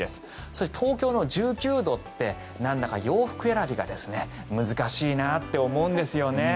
そして、東京の１９度ってなんだか洋服選びが難しいと思うんですよね。